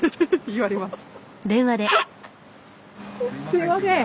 すいません。